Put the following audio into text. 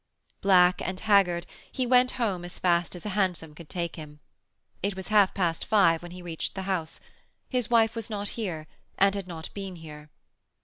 Black and haggard, he went home as fast as a hansom could take him. It was half past five when he reached the house. His wife was not here, and had not been here.